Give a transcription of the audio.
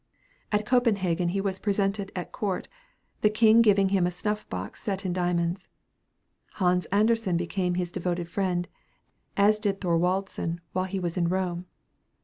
At Copenhagen he was presented at Court, the King giving him a snuff box set in diamonds. Hans Andersen became his devoted friend, as did Thorwaldsen while he was in Rome.